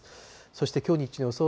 そしてきょう日中の予想